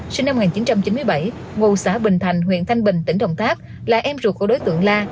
sinh năm một nghìn chín trăm chín mươi bảy ngụ xã bình thành huyện thanh bình tỉnh đồng tháp là em ruột của đối tượng la